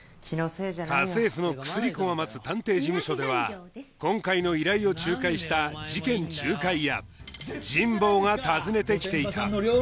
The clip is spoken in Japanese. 家政婦の薬子が待つ探偵事務所では今回の依頼を仲介した事件仲介屋神保が訪ねてきていた